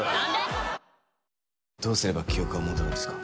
どうすれば記憶が戻るんですか？